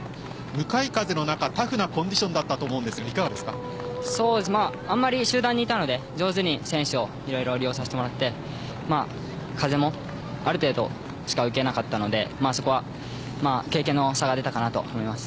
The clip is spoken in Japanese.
向かい風の中タフなコンディションだったと集団にいたので上手に選手を利用させてもらって風もある程度しか受けなかったのでそこは経験の差が出たかなと思います。